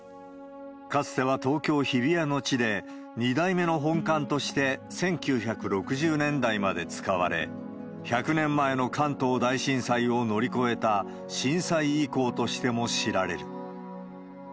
かつては東京・日比谷の地で、２代目の本館として１９６０年代まで使われ、１００年前の関東大震災を乗り越えた震災遺構としても知られる。